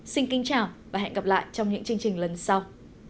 xin kính chào và hẹn gặp lại trong những chương trình lần sau